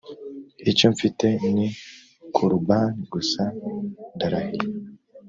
icyo mfite ni korubani gusa ndarahiye